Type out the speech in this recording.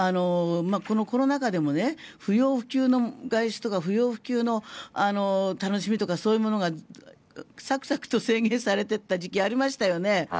このコロナ禍でも不要不急の外出とか不要不急の楽しみとかそういうものが制限されていった時ありましたよね。